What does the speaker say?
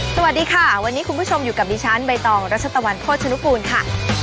สวัสดีค่ะวันนี้คุณผู้ชมอยู่กับดิฉันใบตองรัชตะวันโภชนุกูลค่ะ